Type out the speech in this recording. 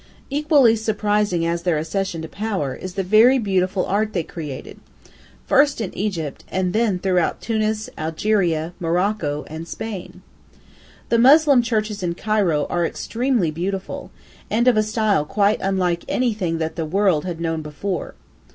Equally surprising as their accession to power is the very beautiful art they created, first in Egypt and then throughout Tunis, Algeria, Morocco, and Spain. The Moslem churches in Cairo are extremely beautiful, and of a style quite unlike anything that the world had known before.